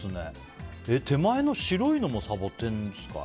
手前の白いのもサボテンですか？